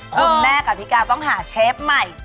คุณแม่กับพี่กาต้องหาเชฟใหม่